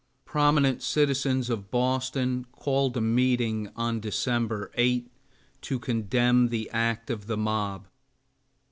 Prominent citizens of Boston called a meeting, on December 8, to condemn the act of the mob.